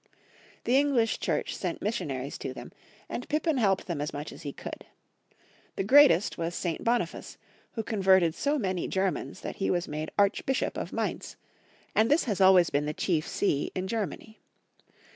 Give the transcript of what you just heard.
The English Church sent missionaries to them, and Pippin helped them as much as he could. The greatest was St. Boni face, who converted so many Germans that he was made Archbishop of Mainz, and this has always been the chief see in Germany.